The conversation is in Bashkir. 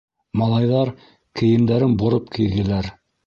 Малайҙар кейемдәрен бороп кейҙеләр.